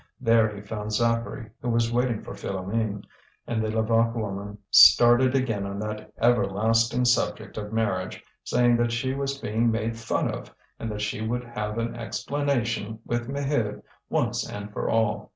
There he found Zacharie, who was waiting for Philoméne, and the Levaque woman started again on that everlasting subject of marriage, saying that she was being made fun of and that she would have an explanation with Maheude once and for all.